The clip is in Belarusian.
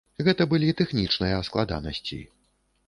Гэта былі тэхнічныя складанасці.